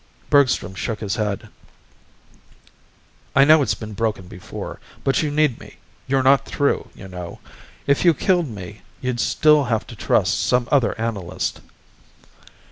Bergstrom shook his head. "I know it's been broken before. But you need me. You're not through, you know. If you killed me you'd still have to trust some other analyst."